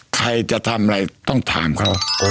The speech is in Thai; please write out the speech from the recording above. ใครจะทำอะไรต้องถามเขา